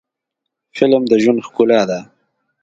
فلم د ژوند ښکلا ده